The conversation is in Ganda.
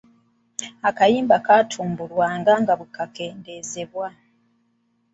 Akayimba katumbulwa nga bwe kakendeezebwa.